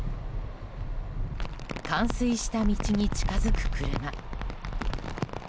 冠水した道に近づく車。